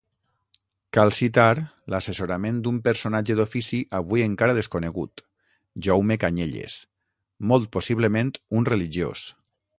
Cal citar l'assessorament d'un personatge d'ofici avui encara desconegut, Jaume Canyelles, molt possiblement un religiós.